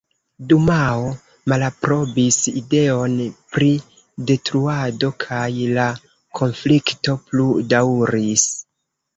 Dumao malaprobis ideon pri detruado kaj la konflikto plu daŭris.